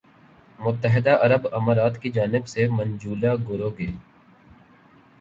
متحدہ عرب امارات کی جانب سے منجولا گوروگے